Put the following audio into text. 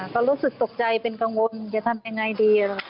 ก็รู้สึกตกใจเป็นกังวลจะทำยังไงดี